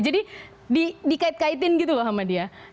jadi dikait kaitin gitu loh sama dia